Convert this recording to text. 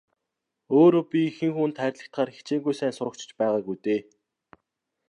Өөрөө би хэн хүнд хайрлагдахаар хичээнгүй сайн сурагч ч байгаагүй дээ.